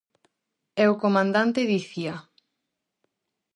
E o comandante dicía: